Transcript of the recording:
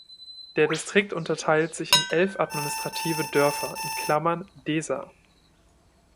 Der Distrikt unterteilt sich in elf administrative Dörfer (Desa).